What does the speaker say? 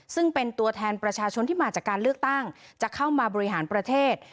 ซึ่งเป็นตัวแทนประชาชนที่มาจากการเลือกตั้งจะเข้ามาบริหารประเทศ